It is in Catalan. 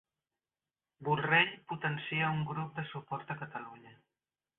Borrell potencia a un grup de suport a Catalunya